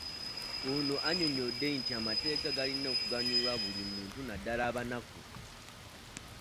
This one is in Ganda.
Ono annyonnyodde nti amateeka galina okuganyula buli muntu naddala abanaku